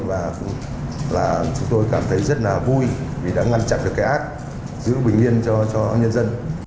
và chúng tôi cảm thấy rất là vui vì đã ngăn chặn được cái ác giữ bình yên cho nhân dân